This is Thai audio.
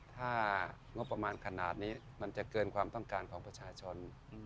ถ้างบประมาณขนาดนี้มันจะเกินความต้องการของประชาชน